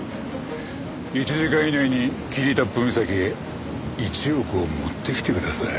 １時間以内に霧多布岬へ１億を持って来てください。